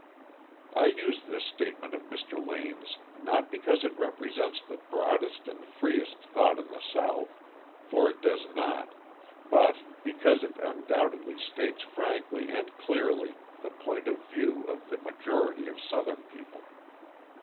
I use this statement of Mr. Lane's not because it represents the broadest and freest thought in the South, for it does not, but because it undoubtedly states frankly and clearly the point of view of the majority of Southern people.